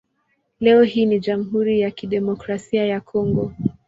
Leo hii ni Jamhuri ya Kidemokrasia ya Kongo.